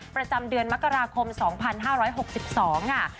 ประจำเดือนมกราคม๒๕๖๒ค่ะ